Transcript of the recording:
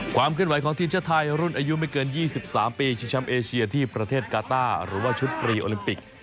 ความเคลื่อนไหวของทีมชาติไทยรุ่นอายุไม่เกิน๒๓ปีชิงแชมป์เอเชียที่ประเทศกาต้าหรือว่าชุดปรีโอลิมปิก